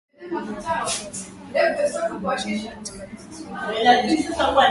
Wamasai wadogo wanakuwa na vilemba na michoro Katika kipindi hicho